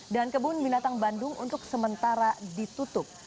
dan kebun binatang bandung untuk sementara ditutup